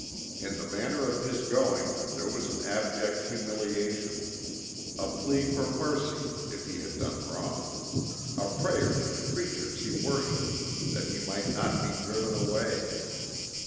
In the manner of his going there was an abject humiliation a plea for mercy if he had done wrong, a prayer to the creatures he worshipped that he might not be driven away.